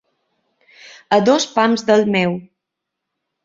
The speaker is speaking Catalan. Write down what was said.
A dos pams del meu.